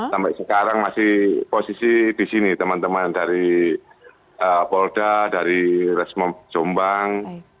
sampai sekarang masih posisi di sini teman teman dari polda dari resmo jombang